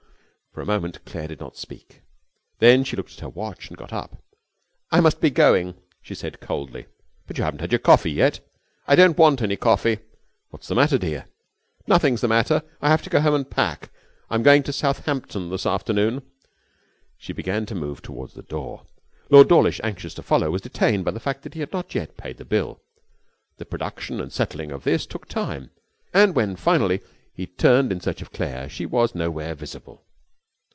For a moment Claire did not speak. Then she looked at her watch and got up. 'I must be going,' she said, coldly. 'But you haven't had your coffee yet.' 'I don't want any coffee.' 'What's the matter, dear?' 'Nothing is the matter. I have to go home and pack. I'm going to Southampton this afternoon.' She began to move towards the door. Lord Dawlish, anxious to follow, was detained by the fact that he had not yet paid the bill. The production and settling of this took time, and when finally he turned in search of Claire she was nowhere visible.